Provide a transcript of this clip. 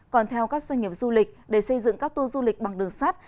còn theo các doanh nghiệp du lịch để xây dựng các tour du lịch bằng đường sắt